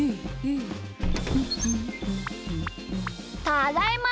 ただいま。